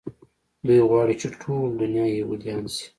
دوى غواړي چې ټوله دونيا يهودان شي.